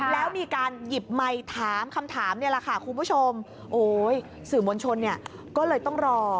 แล้วมีการหยิบไมค์ถามคำถามนี่แหละค่ะคุณผู้ชมโอ้ยสื่อมวลชนเนี่ยก็เลยต้องรอ